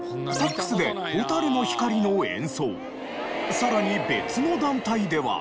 さらに別の団体では。